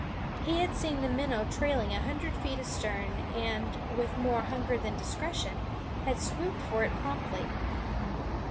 He had seen the minnow trailing a hundred feet astern and, with more hunger than discretion, had swooped for it promptly.